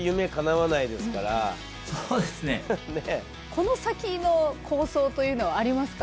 この先の構想というのはありますか？